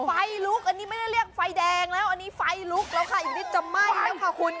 ไฟลุกอันนี้ไม่ได้เรียกไฟแดงแล้วอันนี้ไฟลุกแล้วค่ะอีกนิดจะไหม้แล้วค่ะคุณ